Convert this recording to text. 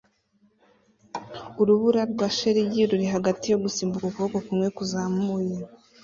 Urubura rwa shelegi ruri hagati yo gusimbuka ukuboko kumwe kuzamuye